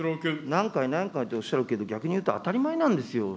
何回何回とおっしゃるけど、逆に言うと当たり前なんですよ。